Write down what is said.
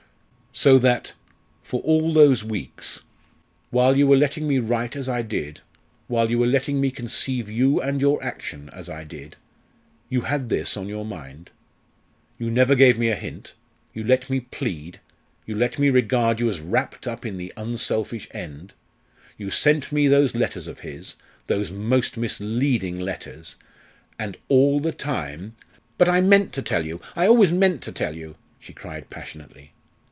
"So that for all those weeks while you were letting me write as I did, while you were letting me conceive you and your action as I did, you had this on your mind? You never gave me a hint; you let me plead; you let me regard you as wrapped up in the unselfish end; you sent me those letters of his those most misleading letters! and all the time " "But I meant to tell you I always meant to tell you," she cried passionately.